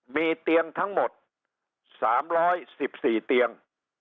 มีเตียงทั้งหมด๓๑๔เตียง